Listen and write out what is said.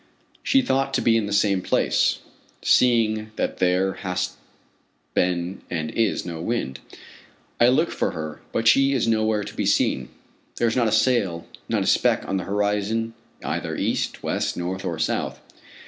She ought to be in the same place, seeing that there has been and is no wind. I look for her, but she is nowhere to be seen. There is not a sail, not a speck on the horizon either east, west, north or south.